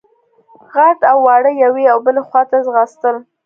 غټ او واړه يوې او بلې خواته ځغاستل.